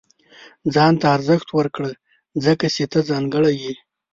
• ځان ته ارزښت ورکړه، ځکه چې ته ځانګړی یې.